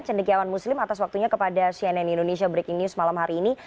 cendekiawan muslim atas waktunya kepada cnn indonesia breaking news malam hari ini